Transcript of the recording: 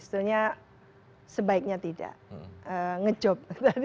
sebaiknya tidak ngejob